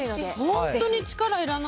本当に力いらない。